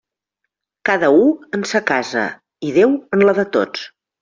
Cada u en sa casa, i Déu en la de tots.